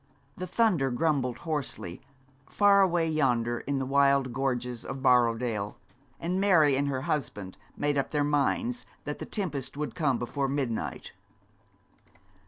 The thunder grumbled hoarsely, far away yonder in the wild gorges of Borrowdale; and Mary and her husband made up their minds that the tempest would come before midnight.